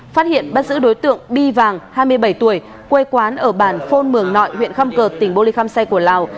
phát hiện bắt giữ đối tượng bi vàng hai mươi bảy tuổi quê quán ở bàn phôn mường nọi huyện khăm cợt tỉnh bô lý khăm say của lào